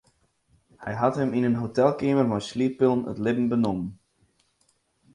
Hy hat him yn in hotelkeamer mei slieppillen it libben benommen.